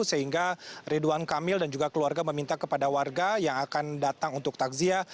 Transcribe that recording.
sehingga ridwan kamil dan juga keluarga meminta kepada warga yang akan datang untuk takziah